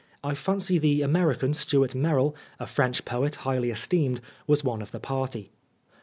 I fancy the American, Stuart Merrill, a French poet highly esteemed, was one of the party.